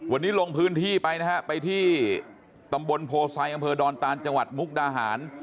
วันนี้ลงพื้นที่ไปนะฮะไปที่ตำบลโพไซอำเภอดอนตานจังหวัดมุกดาหาร